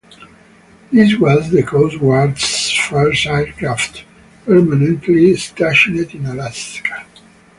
This was the Coast Guard's first aircraft permanently stationed in Alaska.